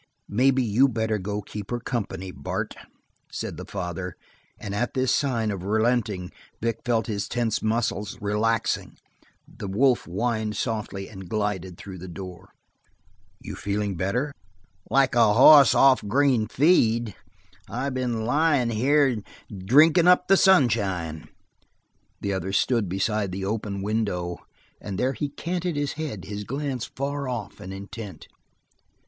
"Maybe you better go keep her company, Bart," said the father, and at this sign of relenting Vic felt his tensed muscles relaxing; the wolf whined softly and glided through the door. "You feeling better?" "Like a hoss off green feed. I been lyin' here drinkin' up the sunshine." The other stood beside the open window and there he canted his head, his glance far off and intent.